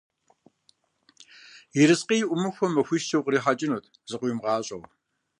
Ерыскъыи Ӏумыхуэу, махуищкӏэ укърихьэкӀынут зыкъыуимыгъащӀэу.